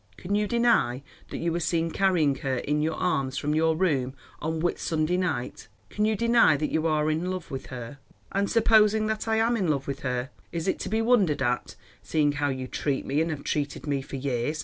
Can you deny that you were seen carrying her in your arms from your room on Whit Sunday night? Can you deny that you are in love with her?" "And supposing that I am in love with her, is it to be wondered at, seeing how you treat me and have treated me for years?"